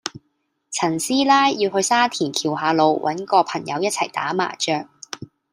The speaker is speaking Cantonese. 陳師奶要去沙田橋下路搵個朋友一齊打麻雀